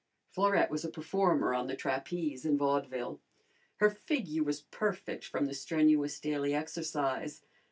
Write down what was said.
Florette was a performer on the trapeze in vaudeville. Her figure was perfect from the strenuous daily exercise.